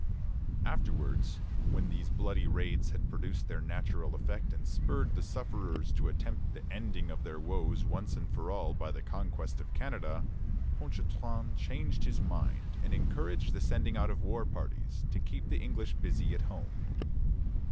" Afterwards, when these bloody raids had produced their natural effect and spurred the sufferers to attempt the ending of their woes once for all by the conquest of Canada, Ponchartrain changed his mind and encouraged the sending out of war parties, to keep the English busy at home.